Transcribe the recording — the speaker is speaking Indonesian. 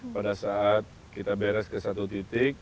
pada saat kita beres ke satu titik